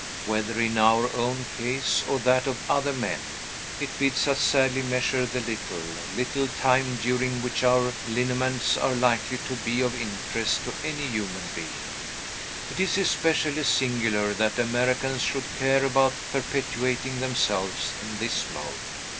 Whether in our own case, or that of other men, it bids us sadly measure the little, little time during which our lineaments are likely to be of interest to any human being. It is especially singular that Americans should care about perpetuating themselves in this mode.